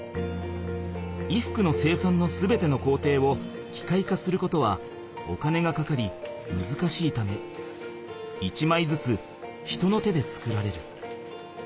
衣服の生産の全てのこうていをきかい化することはお金がかかりむずかしいため１まいずつ人の手で作られる。